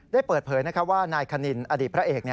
เปิดเผยว่านายคณินอดีตพระเอก